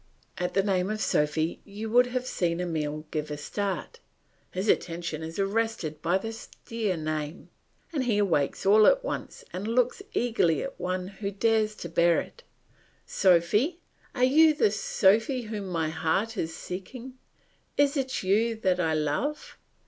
At the name of Sophy you would have seen Emile give a start. His attention is arrested by this dear name, and he awakes all at once and looks eagerly at one who dares to bear it. Sophy! Are you the Sophy whom my heart is seeking? Is it you that I love?